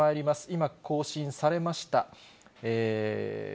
今、更新されました。